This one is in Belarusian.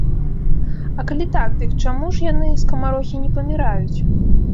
А калі так, дык чаму ж яны, скамарохі, не паміраюць?